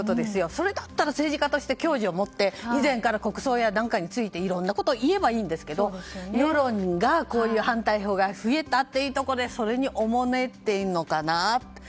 それだったら政治家として矜持をもって以前から国葬についてもいろいろ言えばいいですが世論のこういう反対票が増えたということでそれに、おもねているのかなと。